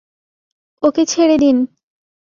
ওকে ছেড়ে দিন!